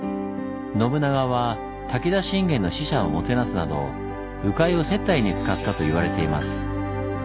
信長は武田信玄の使者をもてなすなど鵜飼を接待に使ったと言われています。